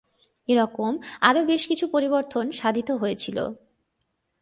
এরকম আরও বেশ কিছু পরিবর্তন সাধিত হয়েছিল।